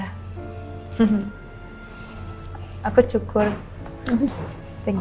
saya sudah menangis